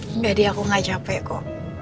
enggak di aku gak capek kok